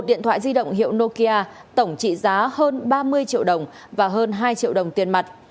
một điện thoại di động hiệu nokia tổng trị giá hơn ba mươi triệu đồng và hơn hai triệu đồng tiền mặt